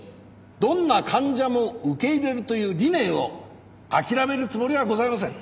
どんな患者も受け入れるという理念を諦めるつもりはございません。